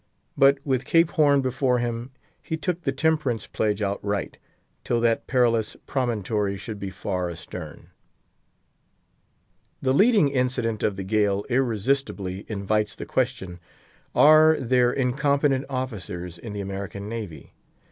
But with Cape Horn before him, he took the temperance pledge outright, till that perilous promontory should be far astern. The leading incident of the gale irresistibly invites the question, Are there incompetent officers in the American navy?